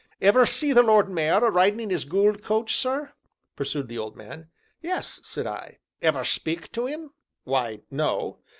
"Ever see the Lord Mayor a ridin' in 'is goold coach, sir?" pursued the old man. "Yes," said I. "Ever speak to 'im?" "Why, no."